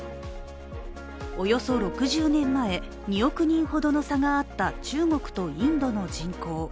およそ６０年前、２億人ほどの差があった中国とインドの人口。